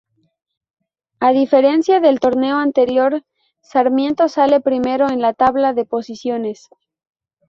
A diferencia del torneo anterior Sarmiento sale Primero en la tabla de posiciones.